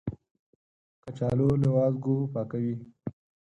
کچالو له وازګو پاکوي